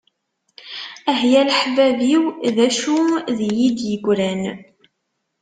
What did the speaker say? Ah ya leḥbab-iw d acu d iyi-d-yeggran.